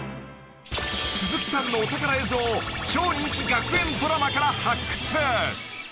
［鈴木さんのお宝映像を超人気学園ドラマから発掘］